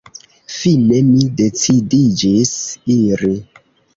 Fine mi decidiĝis iri.